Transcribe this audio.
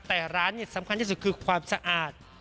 แต่ร้านสำคัญที่สุดคือความสะอาด